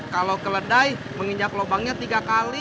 kalau keledai menginjak lubangnya tiga kali